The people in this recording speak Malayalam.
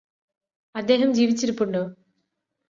അദ്ദേഹം ജീവിച്ചിരിപ്പുണ്ടോ